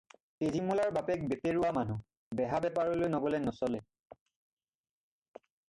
তেজীমলাৰ বাপেক বেপেৰুৱা মানুহ, বেহা-বেপাৰলৈ নগ'লে নচলে।